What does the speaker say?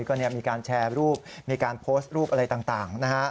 ก็มีการแชร์รูปมีการโพสต์รูปอะไรต่างนะฮะ